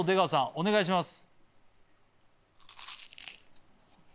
お願いします。